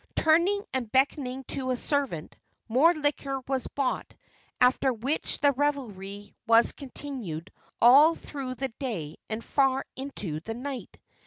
Turning and beckoning to a servant, more liquor was brought, after which the revelry was continued all through the day and far into the night.